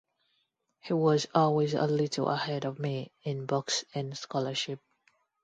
He was always a little ahead of me in books and scholarship.